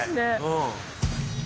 うん。